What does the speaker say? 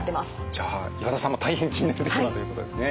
じゃあ岩田さんも大変気になるテーマということですね。